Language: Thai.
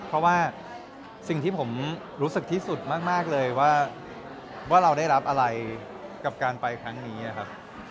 เพราะว่าสิ่งที่ผมรู้สึกที่สุดมากเลยว่าเราได้รับอะไรกับการไปครั้งนี้ครับ